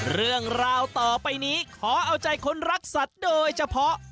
เรื่องราวต่อไปนี้ขอเอาใจคนรักสัตว์โดยเฉพาะ